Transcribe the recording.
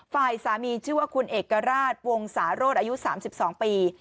ฝ่ายสามีชื่อว่าคุณเอกราชวงศาโรศอายุ๓๒ปี